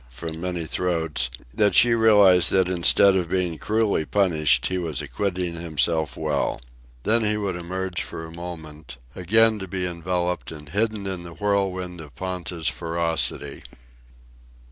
from many throats, that she realized that instead of being cruelly punished he was acquitting himself well. Then he would emerge for a moment, again to be enveloped and hidden in the whirlwind of Ponta's ferocity.